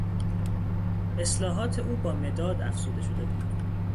اصلاحات او با مداد افزوده شده بود.